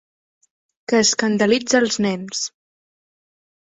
Que escandalitza els nens.